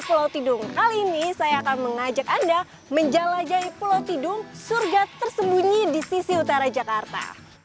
pulau tidung kali ini saya akan mengajak anda menjelajahi pulau tidung surga tersembunyi di sisi utara jakarta